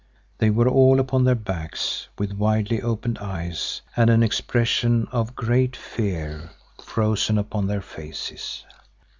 They were all upon their backs with widely opened eyes and an expression of great fear frozen upon their faces.